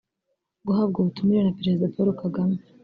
Guhabwa ubutumire na Perezida Paul Kagame